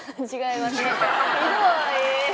ひどい。